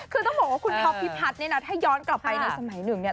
คือต้องบอกว่าคุณท็อปพิพัฒน์เนี่ยนะถ้าย้อนกลับไปในสมัยหนึ่งเนี่ย